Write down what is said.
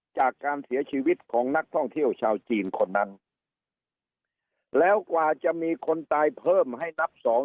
จากการเสียชีวิตของนักท่องเที่ยวชาวจีนคนนั้นแล้วกว่าจะมีคนตายเพิ่มให้นับสอง